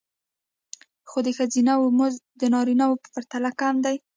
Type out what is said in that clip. خو د ښځینه وو مزد د نارینه وو په پرتله کم دی